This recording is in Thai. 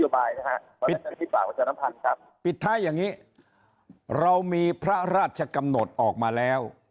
ยกลายนะฮะอาจปิดท้ายอย่างงี้เรามีพระราชกำหนดออกมาแล้ว